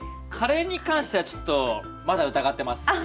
カレーに関してはちょっとまだ疑ってます。